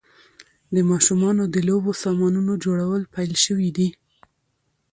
د ماشومانو د لوبو سامانونو جوړول پیل شوي دي.